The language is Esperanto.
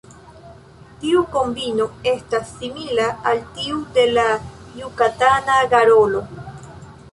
Tiu kombino estas simila al tiu de la Jukatana garolo.